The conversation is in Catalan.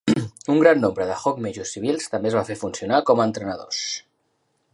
Un gran nombre de Hawk Majors civils també es van fer funcionar com entrenadors.